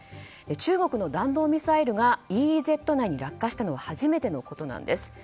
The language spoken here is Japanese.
中国の弾道ミサイルがＥＥＺ内に落下したのは初めてのことなんです。